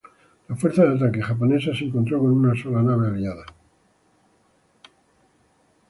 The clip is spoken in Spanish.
La fuerza de ataque japonesa se encontró con una sola nave aliada.